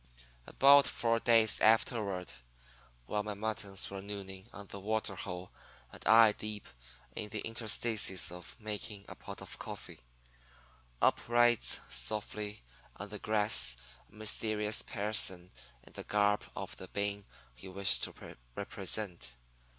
"About four days afterward, while my muttons was nooning on the water hole and I deep in the interstices of making a pot of coffee, up rides softly on the grass a mysterious person in the garb of the being he wished to represent.